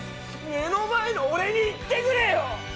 目の前の俺に言ってくれよ。